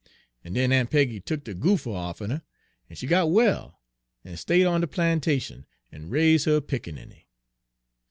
En den Aun' Peggy tuk de goopher off'n her, en she got well, en stayed on de plantation, en raise' her pickaninny.